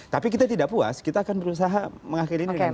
tapi kita tidak puas kita akan berusaha mengakhiri ini dengan